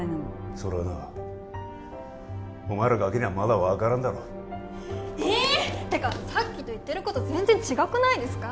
それはなお前らガキにはまだ分からんだろえーてかさっきと言ってること全然違くないですか？